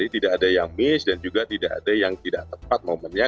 tidak ada yang miss dan juga tidak ada yang tidak tepat momennya